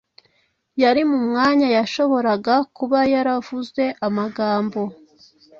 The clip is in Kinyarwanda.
Yari mu mwanya yashoboraga kuba yaravuze amagambo